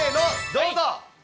どうぞ。